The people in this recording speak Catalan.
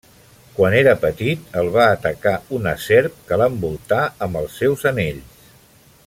Quan era petit el va atacar una serp, que l'envoltà amb els seus anells.